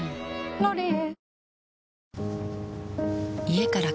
「ロリエ」